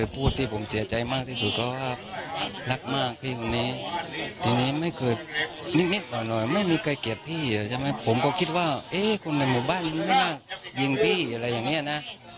ผมก็คิดว่าเอ๊ะคนในหมู่บ้านมันไม่น่ายิงพี่อะไรอย่างเนี่ยนะ